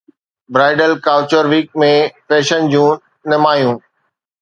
bridal couture week ۾ fashion جون نمايانون